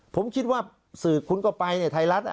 ผมคิดว่าสื่อคุณก็ไปในไทยรัฐ